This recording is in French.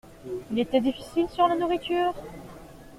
Il était difficile sur la nourriture ?